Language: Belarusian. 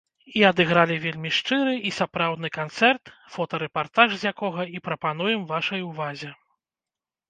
І адыгралі вельмі шчыры і сапраўдны канцэрт, фотарэпартаж з якога і прапануем вашай увазе.